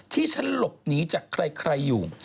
ที่ฉันหลบหนีจากใครอยู่